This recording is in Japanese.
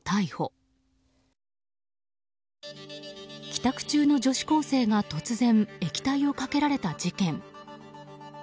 帰宅中の女子高生が突然、液体をかけられた事件。